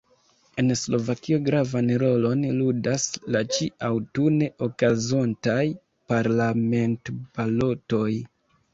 En Slovakio gravan rolon ludas la ĉi-aŭtune okazontaj parlamentbalotoj.